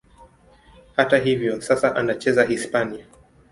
Hata hivyo, sasa anacheza Hispania.